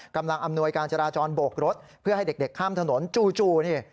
กำลังอำนวยการจราจรโบกรถเพื่อให้เด็กข้ามถนนจู่นี่